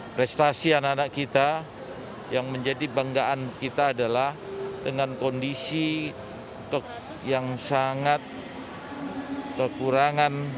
prestasi anak anak kita yang menjadi banggaan kita adalah dengan kondisi yang sangat kekurangan